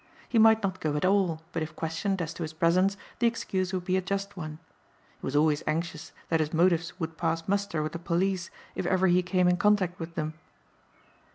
He might not go at all but if questioned as to his presence the excuse would be a just one. He was always anxious that his motives would pass muster with the police if ever he came in contact with them.